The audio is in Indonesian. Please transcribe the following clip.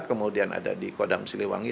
kemudian ada di kodam siliwangi